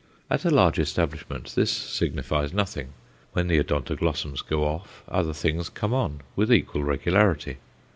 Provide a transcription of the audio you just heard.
At a large establishment this signifies nothing; when the Odontoglossums go off other things "come on" with equal regularity.